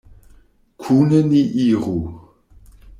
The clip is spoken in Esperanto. Kune ni iru!